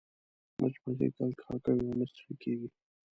مچمچۍ تل کار کوي او نه ستړې کېږي